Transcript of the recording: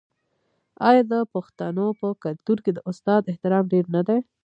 آیا د پښتنو په کلتور کې د استاد احترام ډیر نه دی؟